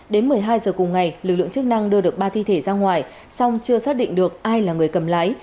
đến một mươi hai giờ cùng ngày lực lượng chức năng đưa được ba thi thể ra ngoài song chưa xác định được ai là người cầm lái